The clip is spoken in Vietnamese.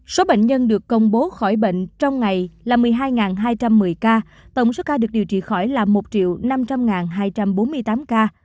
số bệnh nhân được công bố khỏi bệnh trong ngày là một mươi hai hai trăm một mươi ca tổng số ca được điều trị khỏi là một năm trăm linh hai trăm bốn mươi tám ca